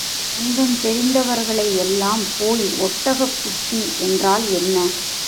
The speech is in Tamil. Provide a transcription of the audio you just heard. கொஞ்சம் தெரிந்தவர்களை எல்லாம் போய் ஒட்டகப் புத்தி என்றால் என்ன?